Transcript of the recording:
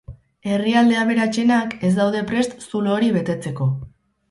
Herrialde aberatsenak ez daude prest zulo hori betetzeko.